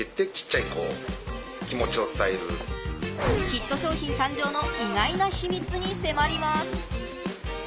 ヒット商品誕生の意外な秘密に迫ります！